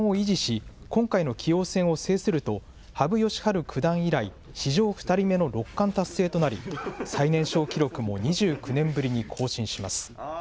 藤井五冠は、五冠を維持し、今回の棋王戦を制すると、羽生善治九段以来、史上２人目の六冠達成となり、最年少記録も２９年ぶりに更新します。